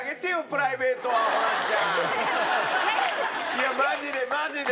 いやマジでマジで！